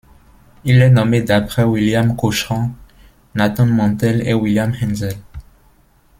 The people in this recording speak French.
Il est nommé d'après William Cochran, Nathan Mantel et William Haenszel.